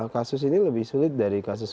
kasus ini lebih sulit dari kasus